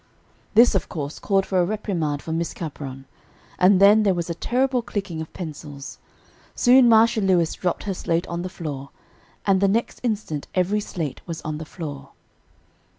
This, of course, called for a reprimand from Miss Capron; and then there was a terrible clicking of pencils. Soon Marcia Lewis dropped her slate on the floor, and the next instant every slate was on the floor.